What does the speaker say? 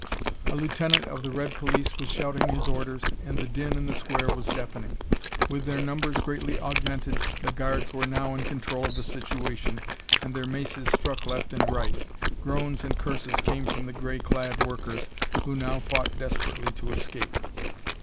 A lieutenant of the red police was shouting his orders and the din in the Square was deafening. With their numbers greatly augmented, the guards were now in control of the situation and their maces struck left and right. Groans and curses came from the gray clad workers, who now fought desperately to escape.